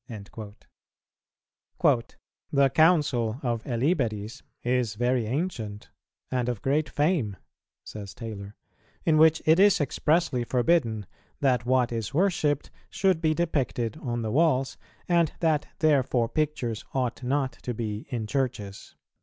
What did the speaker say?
"[410:4] "The Council of Eliberis is very ancient, and of great fame," says Taylor, "in which it is expressly forbidden that what is worshipped should be depicted on the walls, and that therefore pictures ought not to be in churches."